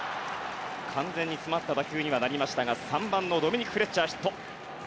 完全に詰まった打球にはなりましたが３番のドミニク・フレッチャーヒット。